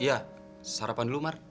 iya sarapan dulu mar